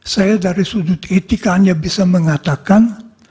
saya dari sudut etika hanya bisa mengatakan